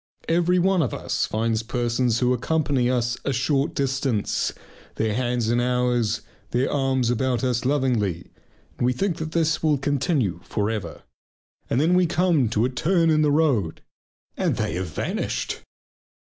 Every one of us finds persons who accompany us a short distance, their hands in ours, their arms about us lovingly, and we think this will continue for ever, and then we come to a turn in the road and they have vanished.